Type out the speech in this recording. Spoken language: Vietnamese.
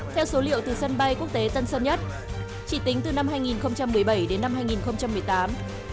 theo số liệu từ sân bay quốc tế tân sơn nhất chỉ tính từ năm hai nghìn một mươi bảy đến năm hai nghìn một mươi tám